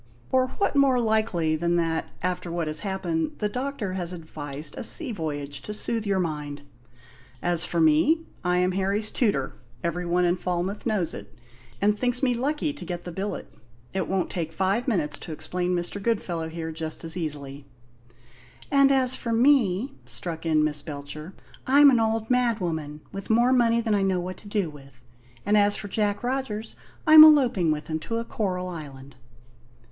Or what more likely than that, after what has happened, the doctor has advised a sea voyage, to soothe your mind? As for me, I am Harry's tutor; every one in Falmouth knows it, and thinks me lucky to get the billet. It won't take five minutes to explain Mr. Goodfellow here, just as easily " "And as for me," struck in Miss Belcher, "I'm an old madwoman, with more money than I know what to do with. And as for Jack Rogers, I'm eloping with him to a coral island."